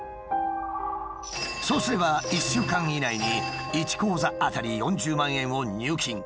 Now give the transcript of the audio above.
そうすれば１週間以内に１口座当たり４０万円を入金。